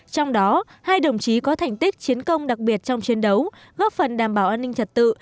trong đó hai đồng chí có thành tích chiến công đặc biệt trong chiến đấu góp phần đảm bảo an ninh trật tự